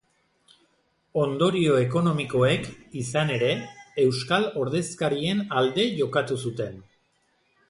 Ondorio ekonomikoek, izan ere, euskal ordezkarien alde jokatu zuten.